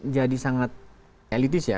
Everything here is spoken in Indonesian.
jadi sangat elitis ya